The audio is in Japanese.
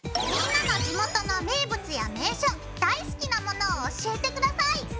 みんなの地元の名物や名所大好きなものを教えて下さい！